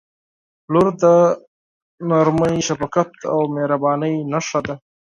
• لور د نرمۍ، شفقت او مهربانۍ نښه ده.